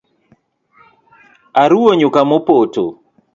Aruwo nyuka mopoto